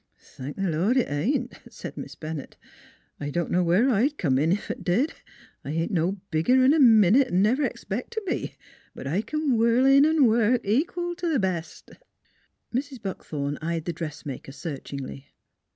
" Thank th' Lord it ain't! " said Miss Bennett. '7 1 8 NEIGHBORS " I don' know where I'd come in, ef it did. I ain't no bigger 'n a minute 'n' never expect t' be; but I c'n whirl in 'n' work equal t' th' best." Mrs. Buckthorn eyed the dressmaker search ingly.